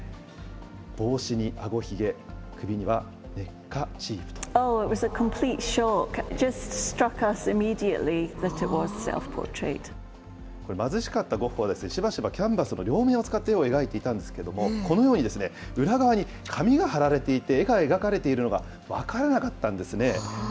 帽子にあごひげ、首にはネッカチこれ、貧しかったゴッホは、しばしばキャンバスの両面を使って絵を描いていたんですけれども、このように裏側に紙が貼られていて、絵が描かれているのが分からなかったんですね。